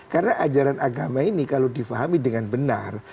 karena ajaran agama ini kalau difahami dengan benar